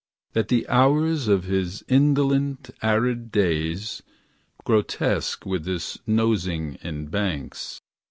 That the hours of his indolent, arid days. Grotesque with this nosing in banks.